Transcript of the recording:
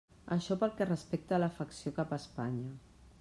Això pel que respecta a l'afecció cap a Espanya.